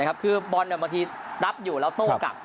คือบอลบางทีรับอยู่แล้วโต้กลับ